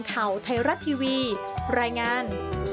ข่าวไทยรัฐทีวีรายงาน